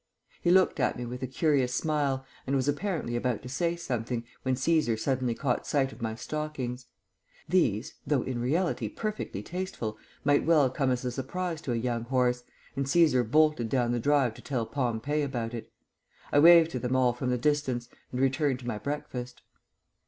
He looked at me with a curious smile and was apparently about to say something, when Cæsar suddenly caught sight of my stockings. These, though in reality perfectly tasteful, might well come as a surprise to a young horse, and Cæsar bolted down the drive to tell Pompey about it. I waved to them all from the distance and returned to my breakfast.